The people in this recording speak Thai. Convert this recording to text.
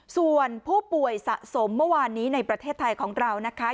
ส่วนผู้ป่วยสะสมเมื่อวานนี้ในประเทศไทยของเรานะคะ